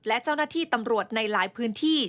และเจ้าหน้าที่ตำรวจในหลายพื้นที่